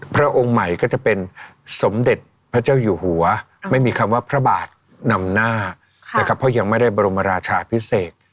พระองค์ใหม่ก็จะเป็นสมเด็จพระเจ้าอยู่หัวไม่มีคำว่าพระบาทนำหน้านะครับเพราะยังไม่ได้บรมราชาพิเศษ